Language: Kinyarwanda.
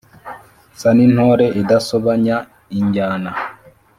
Nsa n ' intore idasobanya injyana